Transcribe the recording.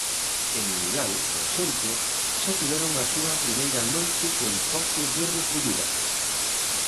En Milán, por exemplo, xa tiveron a súa primeira noite con toque de recollida.